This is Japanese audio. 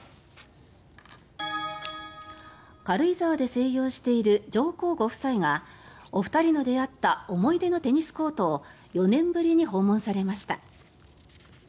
軽井沢で静養している上皇ご夫妻がお二人の出会った思い出のテニスコートを４年ぶりに訪問されました。